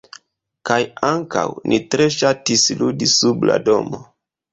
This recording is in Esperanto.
Kaj ankaŭ, ni tre ŝatis ludi sub la domo.